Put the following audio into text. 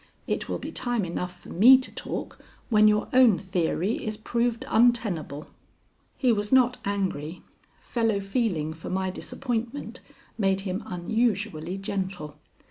It will be time enough for me to talk when your own theory is proved untenable." He was not angry: fellow feeling for my disappointment made him unusually gentle.